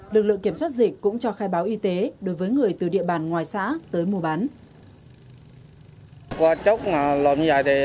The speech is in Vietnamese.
lực lượng kiểm soát dịch cũng cho khai báo y tế đối với người từ địa bàn ngoài xã tới mua bán